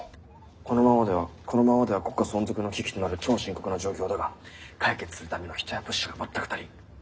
このままではこのままでは国家存続の危機となる超深刻な状況だが解決するための人や物資が全く足りん。